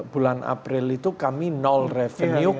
bulan april itu kami nol revenue